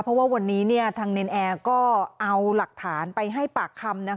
เพราะว่าวันนี้ทางเนรนแอร์ก็เอาหลักฐานไปให้ปากคำ